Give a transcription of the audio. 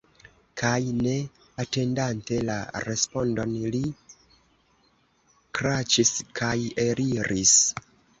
Kaj, ne atendante la respondon, li kraĉis kaj eliris.